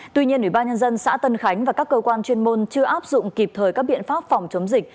tuy nhiên ủy ban nhân dân xã tân khánh và các cơ quan chuyên môn chưa áp dụng kịp thời các biện pháp phòng chống dịch